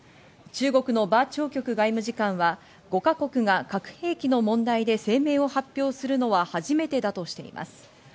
中国のバ・チョウキョク外務次官は５か国が核兵器の問題で声明を発表するのは初めてだとしています。